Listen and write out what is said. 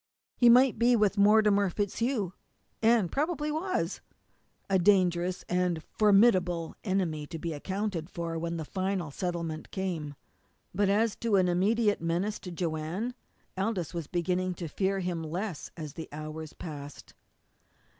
He might be with Mortimer FitzHugh, and probably was a dangerous and formidable enemy to be accounted for when the final settlement came. But as an immediate menace to Joanne, Aldous was beginning to fear him less as the hours passed.